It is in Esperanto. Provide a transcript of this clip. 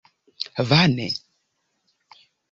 Vane!